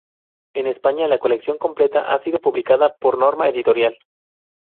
En España, la colección completa ha sido publicada por Norma Editorial.